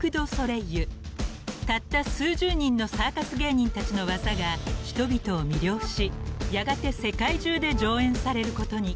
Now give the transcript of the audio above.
［たった数十人のサーカス芸人たちの技が人々を魅了しやがて世界中で上演されることに］